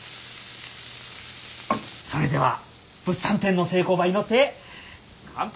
それでは物産展の成功ば祈って乾杯！